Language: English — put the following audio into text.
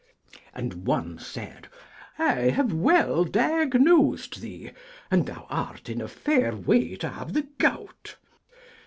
And one said, 'I have well diagnosed thee, and thou art in a fair way to have the gout.'